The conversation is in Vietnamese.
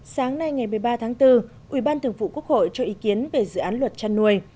sáng nay ngày một mươi ba tháng bốn ubnd cho ý kiến về dự án luật chăn nuôi